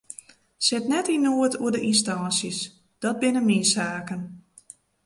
Sit net yn noed oer de ynstânsjes, dat binne myn saken.